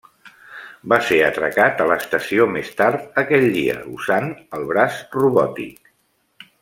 Va ser atracat a l'estació més tard aquell dia, usant el braç robòtic.